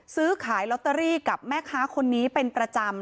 ซื้อขายลอตเตอรี่กับแม่ค้าคนนี้เป็นประจำ